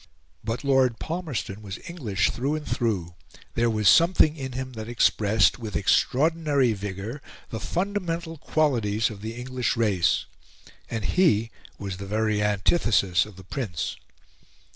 But Lord Palmerston was English through and through, there was something in him that expressed, with extraordinary vigour, the fundamental qualities of the English race. And he was the very antithesis of the Prince.